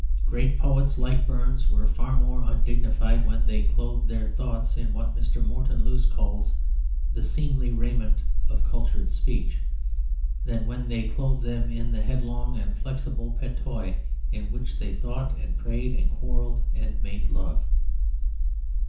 Great poets like Burns were far more undignified when they clothed their thoughts in what Mr. Morton Luce calls "the seemly raiment of cultured speech" than when they clothed them in the headlong and flexible patois in which they thought and prayed and quarrelled and made love.